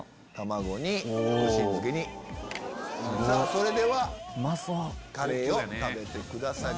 それではカレーを食べてください。